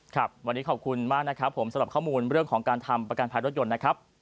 ครับวันนี้ขอบคุณมากนะครับผมสำหรับข้อมูลเรื่องของการทำประกันภัยรถยนต์นะครับ